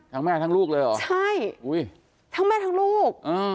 ทั้งแม่ทั้งลูกเลยเหรออุ๊ยใช่ทั้งแม่ทั้งลูก